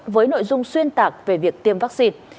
với nội dung xuyên tạc về việc tiêm vaccine